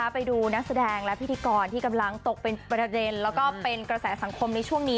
ไปดูนักแสดงและพิธีกรที่กำลังตกเป็นประเด็นแล้วก็เป็นกระแสสังคมในช่วงนี้